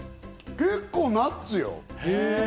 結構ナッツよ？